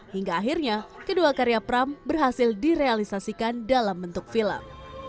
hingga akhirnya kedua karya pram berhasil direalisasikan dalam bentuk film